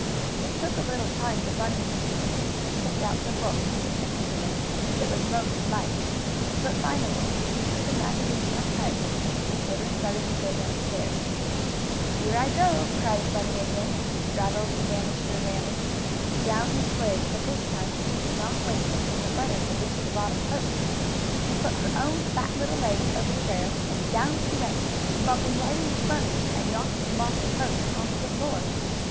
It took a little time for Bunny and Sue each to pick out the book, with the pictures in it, that was most liked. But finally, each with a magazine held tightly, the children started to go down stairs. "Here I go!" cried Bunny again, as he straddled the banister railing. Down he slid, but this time Sue did not wait until her brother had reached the bottom post. She put her own fat little legs over the rail, and down she went, bumping right into Bunny and knocking him off the post on to the floor.